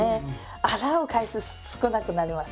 洗う回数少なくなります。